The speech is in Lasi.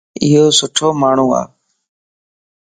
ايو سٺو ماڻھو ا